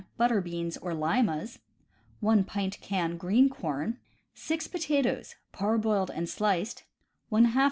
butter beans or limas, 1 pt. " green corn, 6 potatoes, parboiled and sliced, ^ lb.